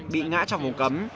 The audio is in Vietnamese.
bị ngã trong hồ cấm